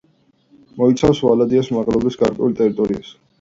მოიცავს ვალდაის მაღლობის გარკვეულ ტერიტორიას.